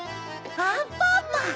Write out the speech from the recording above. アンパンマン！